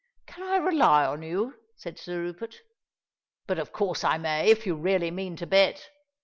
"Can I rely on you?" said Sir Rupert. "But of course I may, if you really mean to bet.